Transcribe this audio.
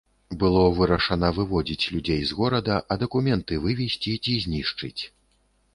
Было вырашана выводзіць людзей з горада, а дакументы вывезці ці знішчыць.